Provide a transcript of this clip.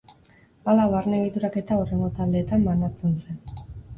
Hala, barne egituraketa hurrengo taldeetan banatzen zen.